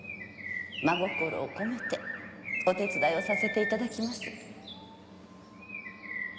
真心を込めてお手伝いをさせていただきます。